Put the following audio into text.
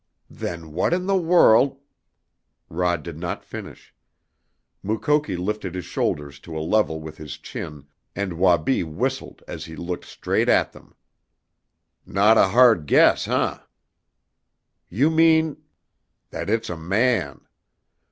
"Then what in the world " Rod did not finish. Mukoki lifted his shoulders to a level with his chin, and Wabi whistled as he looked straight at him. "Not a hard guess, eh?" "You mean " "That it's a man!